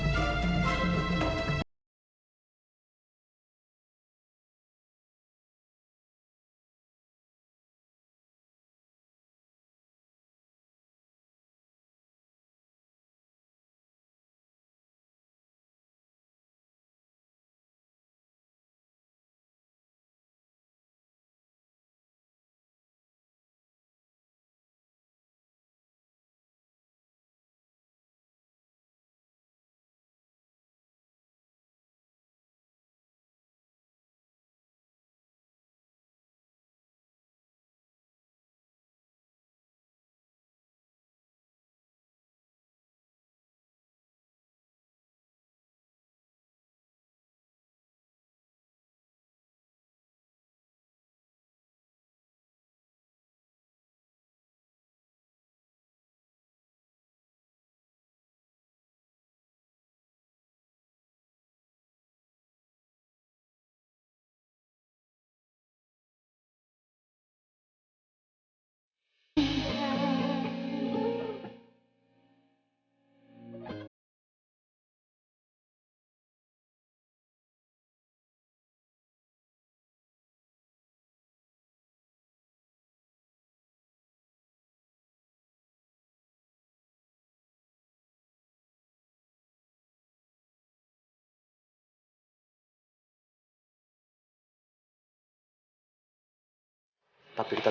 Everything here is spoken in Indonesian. kamu harus ingat